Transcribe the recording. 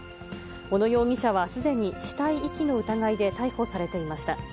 小野容疑者はすでに死体遺棄の疑いで逮捕されていました。